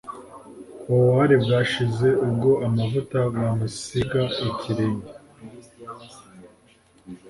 ububabare bwashize ubwo amavuta bamusiga ikirenge